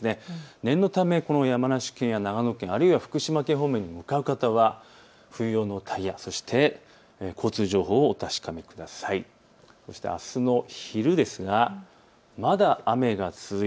念のため山梨県や長野県あるいは福島県方面に向かう方は冬用のタイヤ、そして交通情報をお確かめください。